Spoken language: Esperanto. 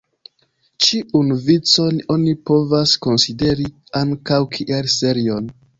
Ĉiun vicon oni povas konsideri ankaŭ kiel serion.